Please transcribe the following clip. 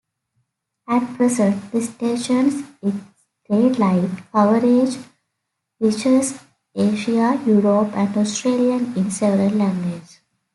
At present, the station's satellite coverage reaches Asia, Europe, and Australia in several languages.